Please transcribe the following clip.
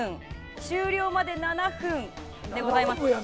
終了まで７分でございます。